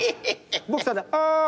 ボクサー